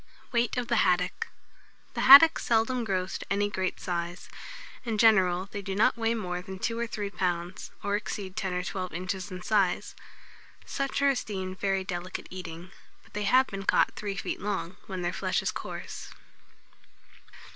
WEIGHT OF THE HADDOCK. The haddock seldom grows to any great size. In general, they do not weigh more than two or three pounds, or exceed ten or twelve inches in size. Such are esteemed very delicate eating; but they have been caught three feet long, when their flesh is coarse.